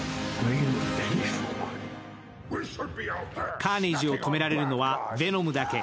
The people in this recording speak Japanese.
カーネイジを止められるのはヴェノムだけ。